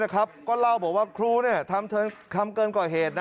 ก็เล่าบอกว่าครูทำเกินกว่าเหตุ